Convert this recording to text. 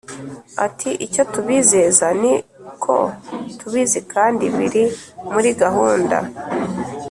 Ati Icyo tubizeza ni ko tubizi kandi biri muri gahunda